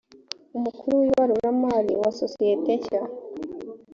umukuru w’ibaruramari wa sosiyete nshya